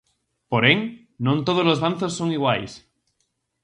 Porén, non tódolos banzos son iguais.